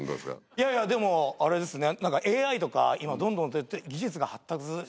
いやいやでもあれですね。